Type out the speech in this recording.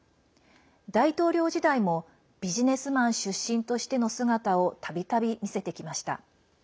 大統領時代もビジネスマン出身としての姿をたびたび見せてきました。